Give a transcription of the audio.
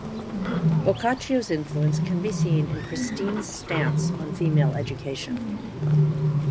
Boccaccio's influence can be seen in Christine's stance on female education.